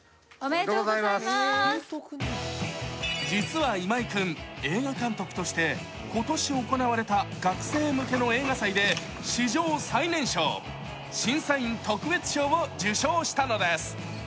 実は今井君、映画監督として今年行われた学生向けの映画祭で史上最年少、審査員特別賞を受賞したのです。